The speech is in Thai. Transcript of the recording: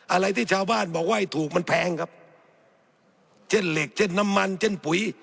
อะไรที่ชาวบ้านบอกว่าให้ถูกมันแพงครับเช่นเหล็กเช่นน้ำมันเช่นปุ๋ย